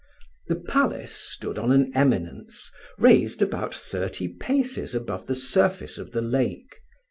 The palace stood on an eminence, raised about thirty paces above the surface of the lake.